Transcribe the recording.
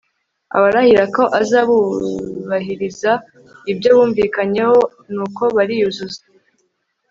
abarahira ko azubahiriza ibyo bumvikanyeho, nuko bariyuzuza